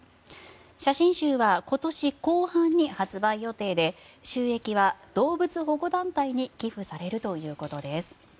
写真集は今年後半に発売予定で収益は動物保護団体に寄付されるということです。